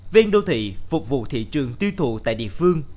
ven đô thị phục vụ thị trường tiêu thụ tại địa phương